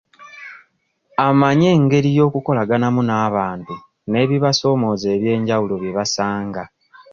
Amanyi engeri y'okukolaganamu n'abantu n'ebibasomooza eby'enjawulo bye basanga.